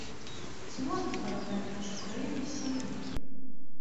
Ці можна параўнаць нашу краіну з сям'ёй?